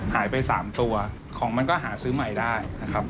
หายไป๓ตัวของมันก็หาซื้อใหม่ได้นะครับ